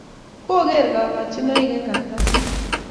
Ko ger kakochinoik eng kartasit